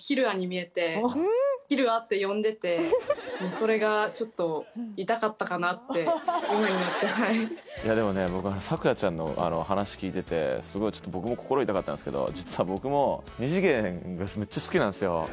それがちょっとって今になってはいいやでもね僕サクラちゃんの話聞いててすごいちょっと僕も心痛かったんですけど実は僕も二次元がめっちゃ好きなんですよ